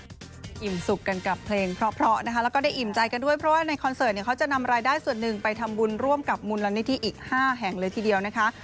อิ่มสุขกันกับเพลงเพราะนะคะแล้วก็ได้อิ่มใจกันด้วยเพราะว่าในคอนเสิร์ตเนี่ยเขาจะนำรายได้ส่วนหนึ่งไปทำบุญร่วมกับมูลนิธิอีก๕แห่งเลยทีเดียวนะคะ